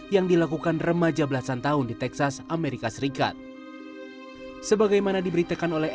yang dilakukan remaja belasan tahun di texas amerika serikat sebagaimana diberitakan oleh